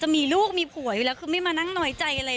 มีลูกมีผัวอยู่แล้วคือไม่มานั่งน้อยใจอะไร